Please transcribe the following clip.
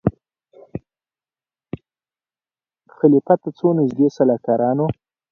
خلیفه ته څو نیژدې سلاکارانو